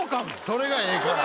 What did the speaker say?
それがええから。